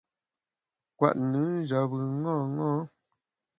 Kwet nùn njap bùn ṅaṅâ.